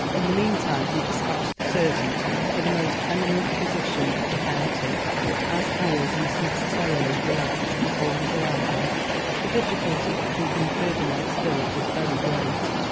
In the meantime he despatched the servant for the most eminent physician of the county; but as hours must necessarily elapse before his arrival, the difficulty of keeping Ferdinand still was very great.